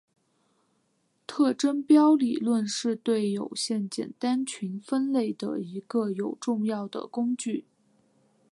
特征标理论是对有限简单群分类的一个有重要的工具。